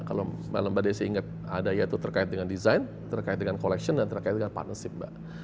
kalau mbak desi ingat ada yaitu terkait dengan desain terkait dengan collection dan terkait dengan partnership mbak